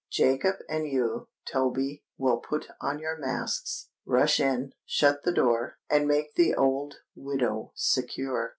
Jacob and you, Toby, will put on your masks, rush in, shut the door, and make the old widow secure.